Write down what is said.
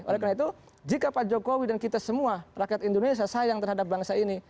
oleh karena itu jika pak jokowi dan kita semua rakyat indonesia sayang terhadap bangsa ini